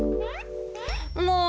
もう！